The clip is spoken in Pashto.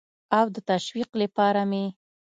او د تشویق لپاره مې